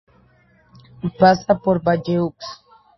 Pasa por Bayeux.